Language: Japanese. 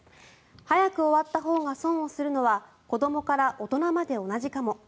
早く終わったほうが損をするのは子どもから大人まで同じかも。